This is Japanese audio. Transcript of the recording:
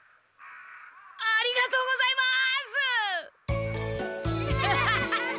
ありがとうございます！